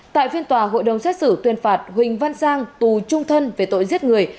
tại phiên tòa hội đồng xét xử tuyên phạt huỳnh văn sang tù trung thân về tội giết người